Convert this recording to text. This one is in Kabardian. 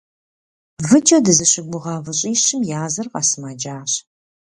Выкӏэ дызыщыгугъа выщӏищым языр къэсымэджащ.